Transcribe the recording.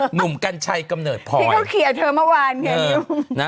หนุ่มกันชัยกำเนิดพอยที่เขาเขียนเธอเมื่อวานเนี่ย